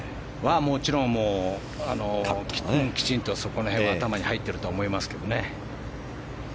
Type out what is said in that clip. もちろんきちんとそこら辺は頭に入ってるとは思いますけどね。